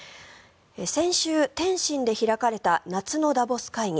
先週、天津で開かれた夏のダボス会議